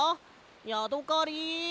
ヤドカリ！